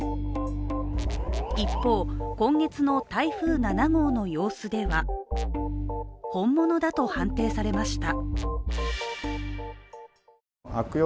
一方、今月の台風７号の様子では本物だと判定されました。